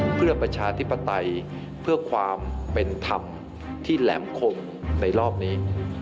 เพื่อประชาธิปไตยเพื่อความเป็นธรรมที่แหลมคงในรอบนี้